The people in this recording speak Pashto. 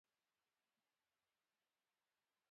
د خولۍ د را اخيستو په وخت کې مې بیا هغه ګلدان ولید.